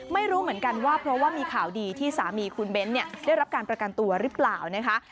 ไม่รู้เหมือนกันว่าเพราะว่ามีข่าวดีที่สามีคุณเบ้นได้รับการประกันตัวหรือเปล่านะคะ